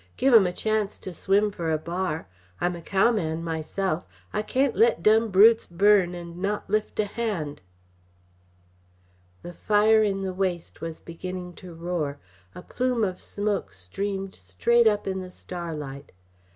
Give 'em a chance to swim for a bar. I'm a cowman myself I cain't let dumb brutes burn and not lift a hand " The fire in the waist was beginning to roar. A plume of smoke streamed straight up in the starlight.